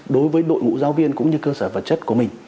đối với đội ngũ giáo viên cũng như cơ sở vật chất của mình